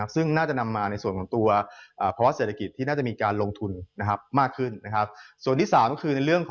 ซึ่งน่าจะนำมาในส่วนของตัวภาวะเศรษฐกิจที่น่าจะมีการลงทุนนะครับมากขึ้นนะครับ